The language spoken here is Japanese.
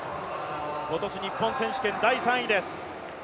今年、日本選手権第３位です。